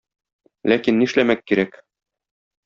Ләкин нишләмәк кирәк?